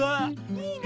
いいね！